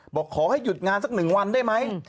บอกขอให้หยุดงานสัก๑วันได้ไหม